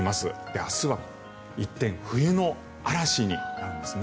明日は一転冬の嵐になるんですね。